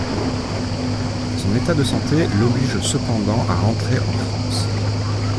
Son état de santé l'oblige cependant à rentrer en France.